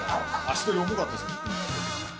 足取り重かったですよ。